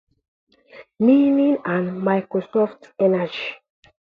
To remedy this, Tip created the Sawhorse to serve as Jack's mode of transportation.